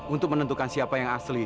untuk menentukan siapa yang asli